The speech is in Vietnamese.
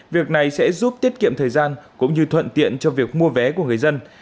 việc này sẽ giúp tiết kiệm thời gian cũng như thuận tiện cho việc mua vé của người dân